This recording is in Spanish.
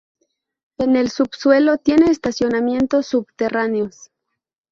En el subsuelo, tiene estacionamientos subterráneos.